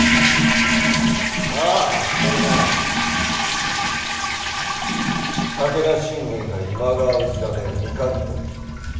ああそれとな武田信玄が今川氏真を見限ったぞ。